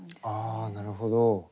ああなるほど。